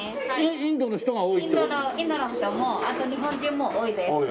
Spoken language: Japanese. インドの人もあと日本人も多いです。